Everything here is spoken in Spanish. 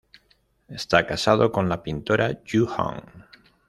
Está casado con la pintora Yu Hong.